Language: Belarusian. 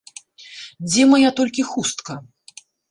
Дзе мая толькі хустка?